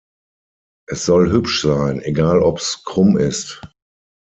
Es soll hübsch sein, egal ob’s krumm ist“.